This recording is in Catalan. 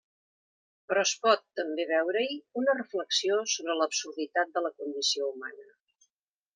Però es pot també veure-hi una reflexió sobre l'absurditat de la condició humana.